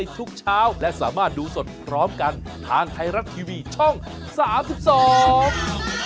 ทุกเช้าและสามารถดูสดพร้อมกันทางไทยรัฐทีวีช่องสามสิบสอง